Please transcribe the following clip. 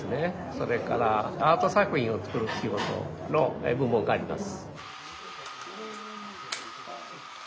それからアート作品を作る仕事の部門があります。